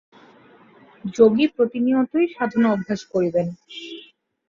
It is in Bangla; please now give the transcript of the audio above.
যোগী প্রতিনিয়তই সাধনা অভ্যাস করিবেন।